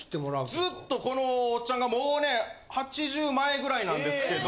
ずっとこのおっちゃんがもうね８０前ぐらいなんですけど。